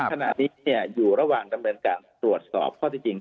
ขณะนี้อยู่ระหว่างดำเนินการตรวจสอบข้อที่จริง